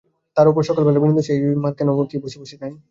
তার ওপর সকাল বেলা বিনি দোষে এই মার-কেন সংসারে কি বসে বসে খাই?